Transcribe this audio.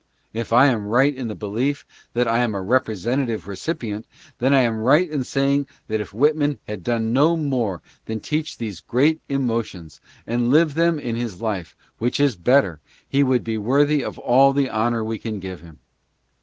If I am right in the belief that I am a representative recipient, then I am right in saying that if Whitman had done no more than teach these great emotions — and live them in his GARLAND. 4 1 life, which is better — he would be worthy of all the honor we can give him.